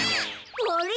あれ？